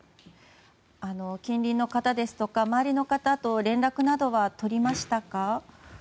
近隣の方ですとか周りの方と連絡などは取りましたか？